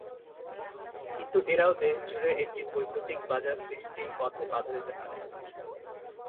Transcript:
কিন্তু এরাও দেশ জুড়ে একটি বৈদ্যুতিক বাজার সৃষ্টির পথে বাধা দিতে পারে।